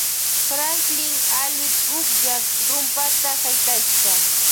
Franklin alli pukllan rumpata haytashpa.